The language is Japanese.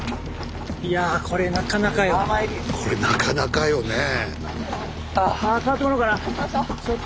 これなかなかよねえ。